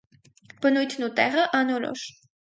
Բնույթն ու տեղը՝ անորոշ։